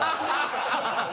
ハハハ！